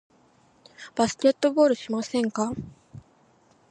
バスケットボールしませんか？